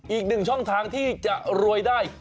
อีกหนึ่งช่องทางที่จะรวยได้